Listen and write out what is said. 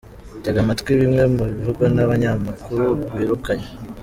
Tega amatwi bimwe mu bivugwa n’abanyamakuru birukanywe .